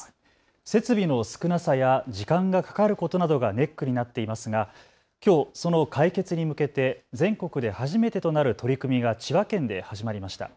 設備の少なさや時間がかかることなどがネックになっていますがきょうその解決に向けて全国で初めてとなる取り組みが千葉県で始まりました。